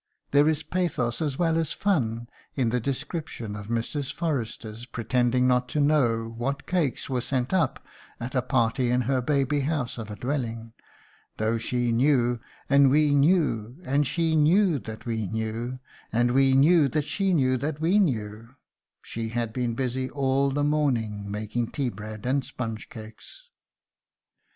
There is pathos as well as fun in the description of Mrs. Forrester pretending not to know what cakes were sent up "at a party in her baby house of a dwelling ... though she knew, and we knew, and she knew that we knew, and we knew that she knew that we knew, she had been busy all the morning making tea bread and sponge cakes!"